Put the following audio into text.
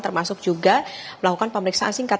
termasuk juga melakukan pemeriksaan singkat